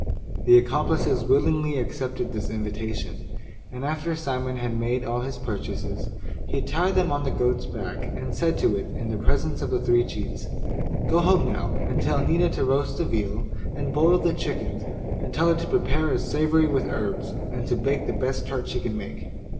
The accomplices willingly accepted this invitation; and after Simon had made all his purchases, he tied them on to the goat's back, and said to it, in the presence of the three cheats, 'Go home now, and tell Nina to roast the veal, and boil the chickens, and tell her to prepare a savoury with herbs, and to bake the best tart she can make.